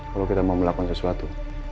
kalau kita mau melakukan sesuatu